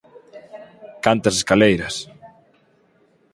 Cantas escaleiras!